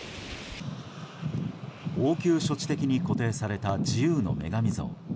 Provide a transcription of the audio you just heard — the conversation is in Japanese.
応急処置的に固定された自由の女神像。